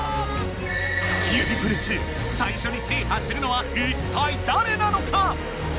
指プル２最初に制覇するのはいったいだれなのか？